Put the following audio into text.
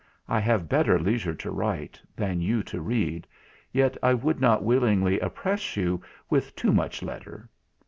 I have better leisure to write, than you to read; yet I would not willingly oppress you with too much letter.